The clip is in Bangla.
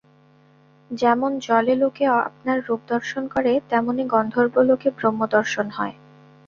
যেমন জলে লোকে আপনার রূপ দর্শন করে, তেমনি গন্ধর্বলোকে ব্রহ্মদর্শন হয়।